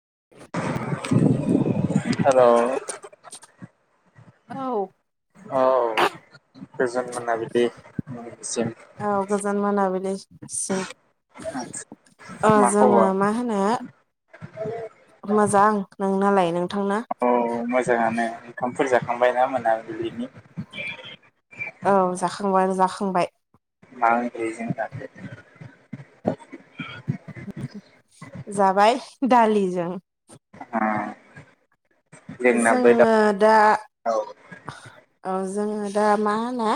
[inaudible] हेल' औ औ गोजोन मोनाबिलि नोंनिसिम औ गोजान मोनाबिलि आ मा खबर जोङो मा होनो मोजां नोंनालाय नोंथांना औ मोजाङानो ओंखामफोर जाखांबाय ना मोन औ जाखांबाय आं जाखांबाय मा ओंर्खैजों जाखो जाबाय दालिजों अ जोङो दा औ जोङो दा मा होनो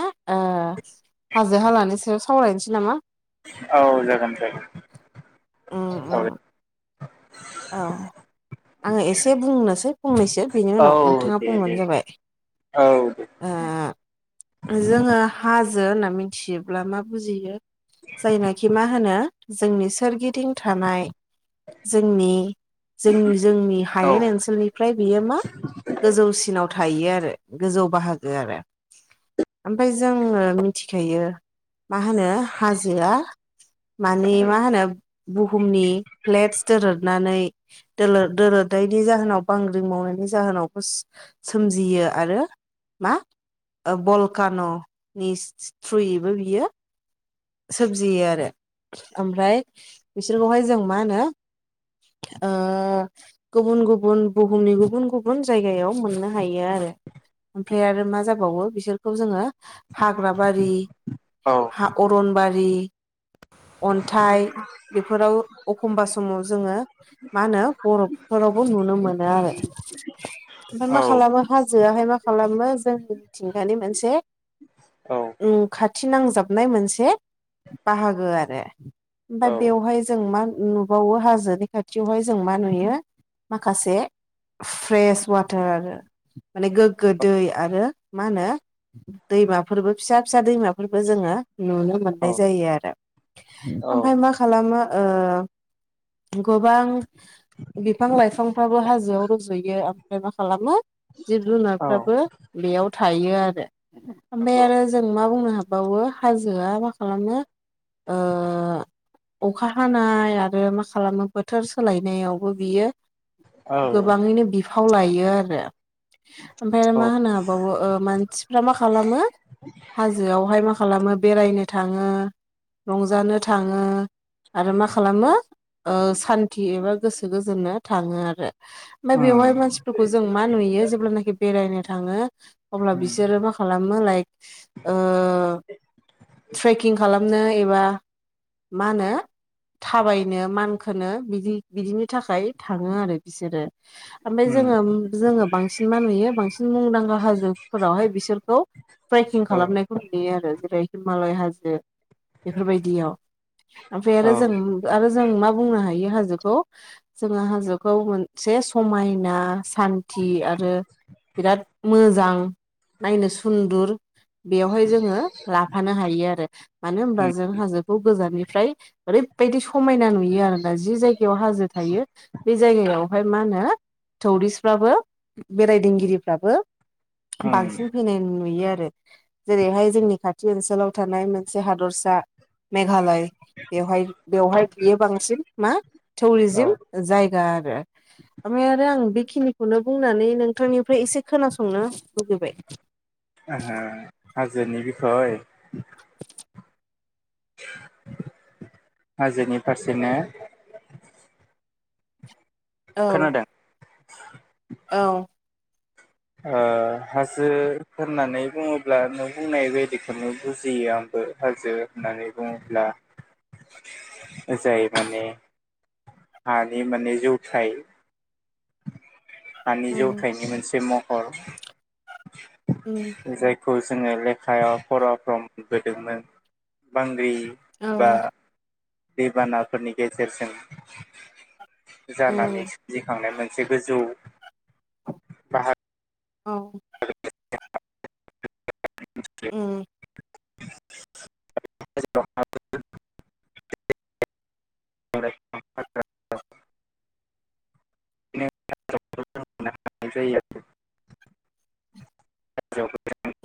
हाजो- हालानि सायाव सावरायनोसै नामा औ जागोन - उम जागोन उम औ औ आङो एसे बुंनोसै फंनैसो बेनि औ उनाव नोंथाङा दे दे बुंबानो जाबाय औ दे ओ जोङो हाजो हाजो होनना मिथियोब्ला मा बुजियो जायनोखि मा होनो जोंनि सोरगिदिं थानाय जोंनि जों जोंनि औ हायेन ओनसोलनिफ्राय बेयो मा गोजौसिनाव थायो आरो गोजौ बाहागो आरो ओमफ्राय जोङो मिथिखायो मा होनो हाजोआ माने मा होनो बुहुमनि फ्लेटस दोरदनानै दोरदनायनि जाहोनाव बांग्रिं मावनायनि जाहोनाव सोमजियो आरो मा बलकान'नि थ्रुयैबो बियो सोमजियो आरो ओमफ्राय बिसोरखौहाय जों मा होनो ओ गुबुन गुबुन बुहुमनि गुबुन गुबुन जायगायाव मोननो हायो आरो ओमफ्राय आरो मा जाबावो बिसोरखौ जोङो हाग्राबारि औ सनबारि अन्थाइ बेफोराव अखमबा समाव जोङो मा होनो बर'फोरावबो नुनो मोनो आरो ओमफाय मा खालामो हाजोआहाय मा खालामो जोंनि मिथिंगानि मोनसे ओम खाथि फिनांजाबनाय मोनसे बाहागो आरो ओमफाय औ बेवहाय जों मा नुबावो हाजोनि खाथियावहाय जों मा नुयो माखासे फ्रेश वाटार आरो माने गोग्गो दै आरो मा होनो दैमाफोरबो फिसा फिसा दैमाफोरबो जोङो नुनो औ मोननाय जायो आरो औ ओमफाय मा खालामो ओ गोबां बिफां लाइफांफ्राबो हाजोआव रज'यो आ मफ्राय मा खालामो जिब औ जुनारफ्राबो बेयाव थायो आरो ओमफाय नंगौ आरो जों मा बुंनो हाबावो हाजोआ मा खालामो ओ अखा हानाय आरो मा खालामो बोथोर सोलायनायावबो बियो औ गोबाङैनो बिफाव लायो आरो ओमफाय औ मा होनो हाबावो मानसिफ्रा मा खालामो हाजोआवहाय मा खालामो बेरायनो थाङो रंजानो थाङो आरो मा खालामो ओ सान्थि एबा गोसो गोजोननो थाङो आरो ओमफाय बेवहाय उम मानसिफोरखौ जों मा नुयो जेब्लानाखि बेरायनो थाङो अब्ला उम बिसोरो मा खालामो लाइक ओ ट्रेकिं खालामो खालामनो एबा मा होनो थाबायनो मानखोनो बिदि बिदिनि थाखाय थाङो आरो बिसोरो आमफाय उम जोङो जोङो बांसिन मा नुयो बांसिन मुंदांखा हाजोफोरावहाय बिसोरखौ ट्रेकिं औ खालामनायखौ नुयो आरो जेरै हिमालय हाजो बेफोरबायदियाव ओमफ्राय औ आरो जों आरो जों मा बुंनो हा यि हाजोखौ जोङो हाजोखौ मोनसे समायना सान्थि आरो बिराद मोजां नायनो सुन्दुर बेयावहाय जोङो लाफानो हायो आरो मानो होनबा उम जों हाजोखौ गोजाननिफ्राय ओरैबायदि स समायना नुयो आरोना जि जायगायाव हाजो थायो बे जायगायाव ओमफाय मा होनो टौरिस्फ्राबो बेरायदिगिरिफ्राबो उम बांसिन फैनाय नुयो आरो जेरैहाय जोंनि खाथि ओनसोलाव थानाय मोनसे हादरसा मेघालय बेवहाय बेवहाय बियो बांसिन मा औ टौरिजिम जायगा आरो ओमफ्राय आरो आं बेखिनिखौनो बुंनानै नोंथांनिफ्राय एसे खोनासंनो लुगैबाय ओ हाजोनि [unintelligible] [inaudible] हाजोनि फारसेनो औ खोनादों औ ओ हाजो होननानै बुङोब्ला नों बुंनाय बायदिखौनो बुजियो आ हाजो होननानै बुङोब्ला [inaudible] जाय माने हानि माने जौथाय हानि उम जौथायनि मोनसे महर उम जाय खौ जोङो लेखायाव फराफ्राव मोनबोदोंमोन बांग्रि बा औ दैबानाफोरनि गेजेरजों जानानै उम सोमजि औ [inaudible] उम [inaudible] [inaudible] [unintelligible] [unintelligible]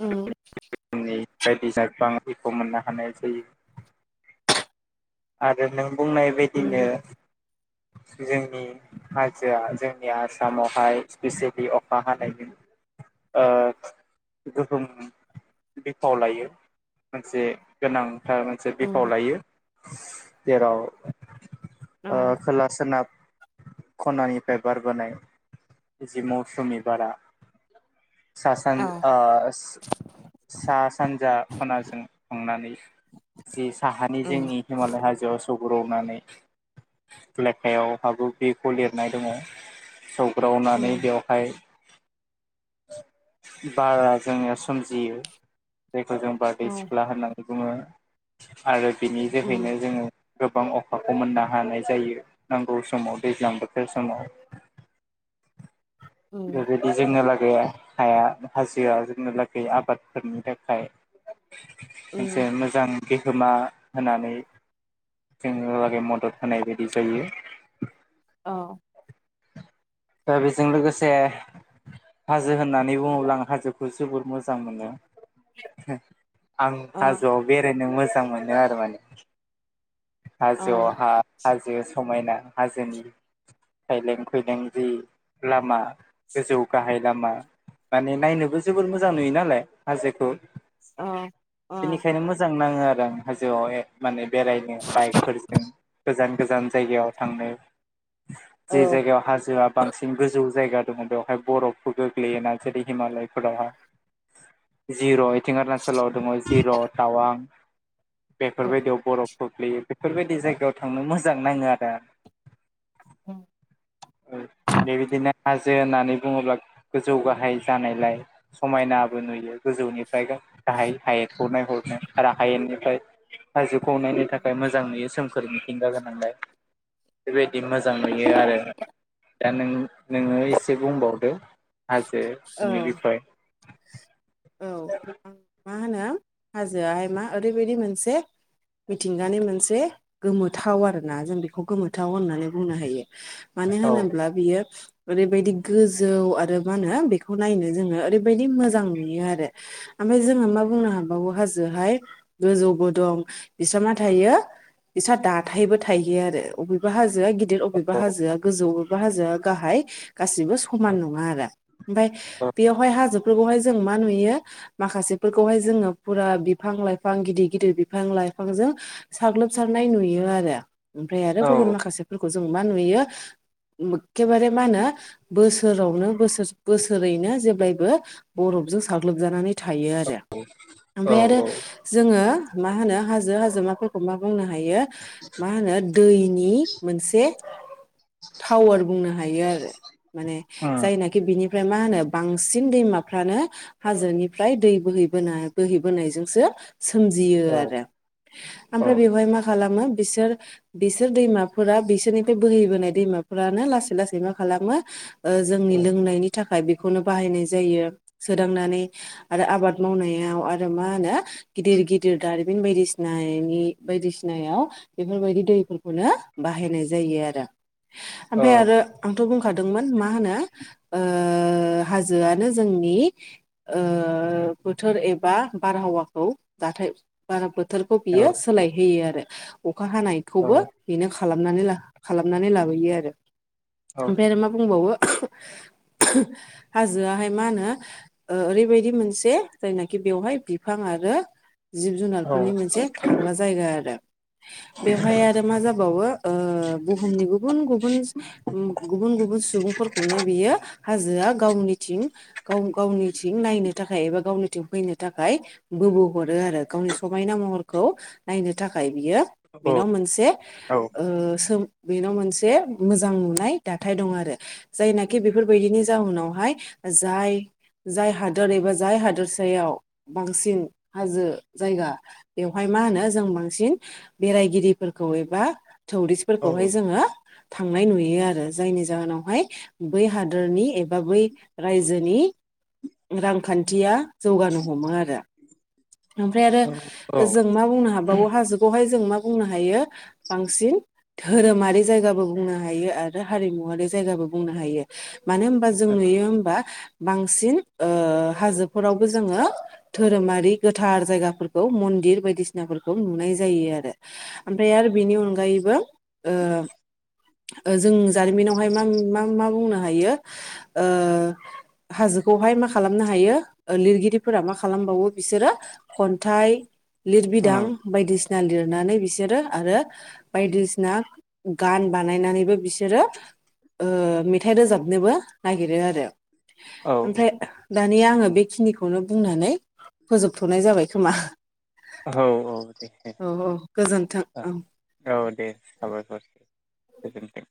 उम बायदि बांखौ मोननो हानाय जायो आरो नों बुंनाय बायदिनो उम [inaudible] जोंनि हाजोआ जोंनि आसामावहाय इसपेसिलि अखा हानायनि ओ गोहोम बिफाव लायो मोनसे गोनां मोनसे बिफाव उम लायो जेराव ओ औ खोला सोनाब खनानिफ्राय बारबोनाय जि मौसुमि बारा सा-सान औ ओ सा सानजा खनाजों संनानै जे साहानि उम जोंनि हिमालय हाजोआव सौरग्रावनानै लेखायाव हाग बेखौ लिरनाय दङ सौ रावनानै उम बेवहाय बारा जोङो सोमजियो जायखौ जों बारदै औ सिख्ला होननानै बुङो आरो बिनि जोहैनो उम जोङो गोबां अखाखौ मोननो हानाय जायो नांगौ समाव दैज्लां बोथोर समाव [inaudible] बेबादि उम [unintelligible] [unintelligible] आफादफोरनि थाखाय मोनसे उम मोजां बिहोमा होननानै जोङो लागै मदद होनाय जायो औ दा बेजों हाजो होननानै बुंङोब्ला हाजोखौ आं जोबोर मोजां मोनो आं औ हाजोआव बेरायनो मोजां मोनो आरो माने [inaudible] औ थायलें फैलें जि लामा गोजौ गाहाय लामा माने नायनो बेबो जबोर मोजां नुयो नालाय उ उ बेनिखायनो मोजां नाङो आरो आं हाजोआव माने बेरायनो बाइकफोरजों जे औ जायगायाव हाजोआ बांसिन गोजौ जायगा दङ बेवहाय बरफफोर गोग्लैयोना जेरै हिमालयफोरावहाय [unintelligible] [unintelligible] जिर तावां बेफोरबादियाव बरफ गोग्लैयो बेफोरबायदि जायगायाव थांनो मोजां नाङो आरो उ बेबायदिनो हाजो होननानै बुङोब्ला गोजौ गाहाय जानायलाय समायना नाबो नुयो गोजौनिफ्राय गाहाइ हायेनखौ नायहरनो आरो हायेनिफ्राय [unintelligible] औ ओमफ्राय मोजां नुयो सोमखोर मिथिंगा गोनांलाय बेबायदि मोजां नुयो आरो दा नों-नोङो इसे बुंबावदों हाजो औ बिनि बिखय औ [inaudible] मा होनो हाजोआहाय मा ओरैबायदि मोनसे मिथिंगानि मोनसे गोमोथाव आरोना जों बिखौ गोमोथाव होन्ना नै बुंनो हायो मानो औ होनोब्ला बियो ओरैबायदि गोजौ आरो मा होनो बेखौ नायनो जोङो ओरैबायदि मोजां नुयो आरो आमफाय जोङो मा बुंनो हाबावो हाजोयाहाय गोजौबो दं बिस्रा मा थायो बिस्रा दाथायबो थायो आरो अबेबा हाजो आ गिदिर अबेबा हाजोआ गोजौ अबेबा हाजोआ गाहाय गासिबो समान नङा आरो ओमफाय बेयावहाय हाजोफोरखौहाय जों मा नुयो माखासेफोरखौहाय जोङो पुरा बिफां लाइफां गिदिर गिदिर बिफां लाइफांजों साग्लोबसारनाय नुयो आरो ओमफ्राय आरो औ गुबुन माखासेफोरखौ जों मा नुयो एखेबारे मा होनो बोसोरावनो बोसोर बोसोरैनो जेब्लायबो बरफजों साग्लोबजानानै थायो आरो औ ओमफाय आरो जोङो मा होनो हाजो हाजोमाफोरखौ मा बुंनो हायो मा होनो दैनि मोनसे टावार बुंनो हायो आरो माने उम जायनाखि बिनि ओमफ्राय मा होनो बांसिन दैमा फ्रानो हाजोनिफ्राय दै बोहैबोना बोहैबोनायजोंसो सोमजियो औ आरो औ आमफ्राय बेवहाय मा खालामो बिसोर बिसोर दैमाफोरा बिसोरनिफाय बोहैबोनाय दैमाफोरानो लासै लासै मा खालामो ओ जोंनि लोंनायनि थाखाय बेखौनो बाहायनाय जायो। सोदांनानै आरो आबाद मावनायाव आरो मा होनो गिदिर गिदिर दारिमिन बायदिसिना नायनि बायदिसिनायाव बेफोरबायदि दैफोरखौनो बाहायनाय जायो आरो। ओमफाय आरो आंथ' बुं खादोंमोन मा होनो ओ हाजोआनो जों नि ओ बोथोर एबा बारहावाखौ जाथाय बारबो थोरखौ औ बियो सोलायहोयो आरो। अखा हानायखौबो बेनो खालामनानै ला खालामनानै लाबोयो आरो। ओमफ्राय आरो मा बुंबावो हाजोआहाय मा होनो ओ ओरैबायदि मोनसे जायनाखि बेवहाय बिफां आरो जिब औ जुनारफोरनि मोनसे थाग्रा जायगा आरो। बेवहाय आरो मा जाबावो ओ बुहुमनि गुबुन गुबुन उम गुबुन गु बुन सुबुंफोरखौनो बियो हाजोआ गावनिथिं गाव गावनिथिं नायनो थाखाय एबा गावनिथिं फैनो थाखाय बोबो हरो आरो गावनि समायना म हरखौ नायनो थाखाय बियो औ बेनाव मोनसे औ ओ सोम बेनाव मोनसे मोजां नुनाय दाथाय दं आरो जायनाखि बेफोरबायदिनि जावुनावहाय जाय जाय हादोर एबा जाय हादोरसायाव बांसिन हाजो जायगा बे बेवहाय मा होनो जों बांसिन बेरायगिरिफोरखौ एबा औ टौरिस्फोरखौहाय जोङो थांनाय नुयो आरो जायनि जाहोनावहाय बै हादोरनि एबा बै रायजोनि रांखान्थिया जौगानो हमो आरो। ओमफ्राय आरो औ औ जों मा बुंनो हाबावो हाजो खौवहाय जों मा बुंनो हायो बांसिन धोरोमारि जायगाबो बुंनो हायो आरो हारिमुवारि जायगाबो बुंनो हायो मानो होम्बा जों नुयो होम्बा बांसिन ओ हाजोफोरावबो जोङो धोरोमारि गोथार जायगाफोरखौ मन्दिर बायदिसिनाफोरखौ नुनाय जायो आरो ओमफ्राय आरो बिनि अनगायैबो ओ ओ जों जारिमिनावहाय माम-मा-मा बुंनो हायो ओ हा जोखौहाय मा खालामनो हायो ओ लिरगिरिफोरा मा खालामबावो बिसोरो खन्थाइ लिरबिदां बायदिसि ना लिरनानै बिसोरो आरो बायदिसिना गान बानायनानैबो बिसोरो ओ मेथाइ रोजाबनोबो नागिरो आरो औ ओमफ्राय दानिया आङो बे बेखिनिखौनो बुंनानै फोजोबथ'नाय जाबाय खोमा औ औ दे औ औ गोजोन्थों औ औ दे साबायख